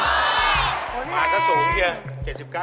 อเรนนี่มันต้องฟังอยู่ค่ะ